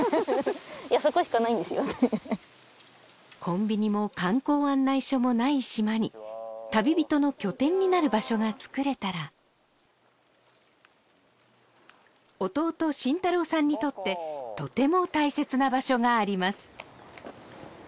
「いやそこしかないんですよ」ってコンビニも観光案内所もない島に旅人の拠点になる場所が作れたら弟・真太郎さんにとってとても大切な場所があります